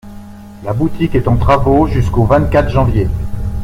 La boutique est en travaux jusqu'au vingt-quatre janvier.